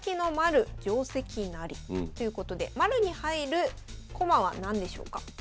ということで丸に入る駒は何でしょうか。